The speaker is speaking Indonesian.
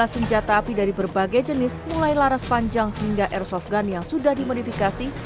lima senjata api dari berbagai jenis mulai laras panjang hingga airsoft gun yang sudah dimodifikasi